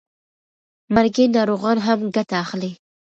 مرګي ناروغان هم ګټه اخلي.